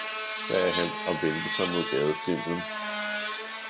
sagde han, og vendte sig mod gadestimlen.